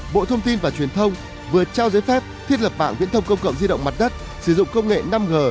bộ thông tin và truyền thông vừa trao giấy phép thiết lập mạng viễn thông công cộng di động mặt đất sử dụng công nghệ năm g